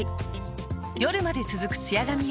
夜まで続くツヤ髪へ。